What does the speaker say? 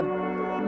mũ bảo hiểm